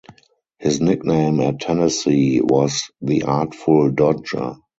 His nickname at Tennessee was the artful dodger.